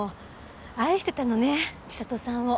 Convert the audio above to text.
愛してたのね千里さんを。